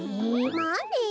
まあね。